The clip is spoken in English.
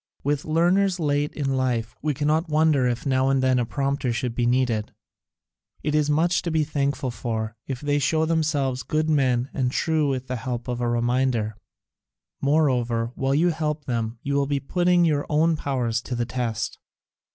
With learners late in life, we cannot wonder if now and then a prompter should be needed: it is much to be thankful for if they show themselves good men and true with the help of a reminder. Moreover, while you help them you will be putting your own powers to the test.